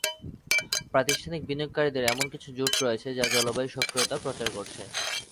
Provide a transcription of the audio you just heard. প্রাতিষ্ঠানিক বিনিয়োগকারীদের এমন কিছু জোট রয়েছে যা জলবায়ু সক্রিয়তা প্রচার করছে।